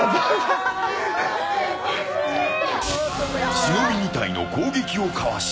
忍２体の攻撃をかわし